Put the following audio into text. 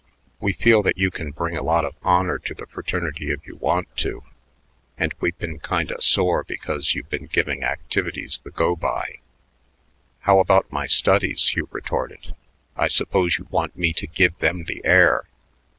We feel that you can bring a lot of honor to the fraternity if you want to, and we've been kinda sore because you've been giving activities the go by." "How about my studies?" Hugh retorted. "I suppose you want me to give them the air.